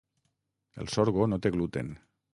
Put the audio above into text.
El sorgo no té gluten.